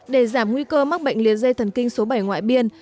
để giảm nguy cơ mắc bệnh lý dây thần kinh số bảy ngoại biên